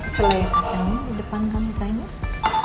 selai pacarnya di depan kamu zainal